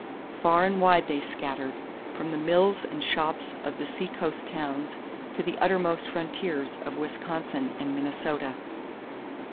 Far and wide they scattered, from the mills and shops of the seacoast towns to the uttermost frontiers of Wisconsin and Minnesota.